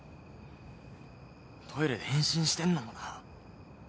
トイレで変身してんのもな。